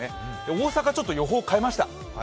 大阪、ちょっと予報変えました。